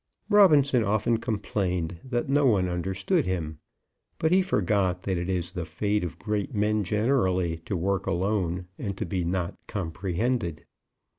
Robinson often complained that no one understood him; but he forgot that it is the fate of great men generally to work alone, and to be not comprehended.